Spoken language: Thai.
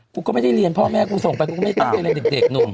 กูก็ไม่ได้เรียนพ่อแม่กูส่งไปกูไม่ได้ตั้งเจ้าเองอะไรเด็กหนุ่ม